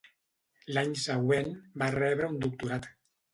L'any següent, va rebre un doctorat.